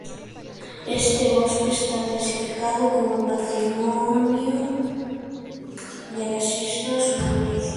Este bosque está clasificado como patrimonio de la Isla de Mauricio.